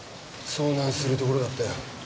遭難するところだったよ。